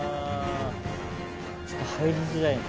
ちょっと入りづらいね。